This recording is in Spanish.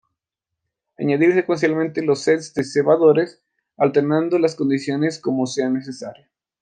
Añadir Secuencialmente los sets de Cebadores, alterando las condiciones como sea necesario.